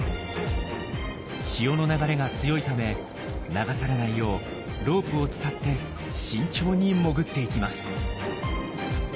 潮の流れが強いため流されないようロープを伝って慎重に潜っていきます。